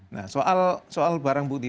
nah soal barang bukti